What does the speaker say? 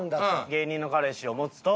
芸人の彼氏を持つと。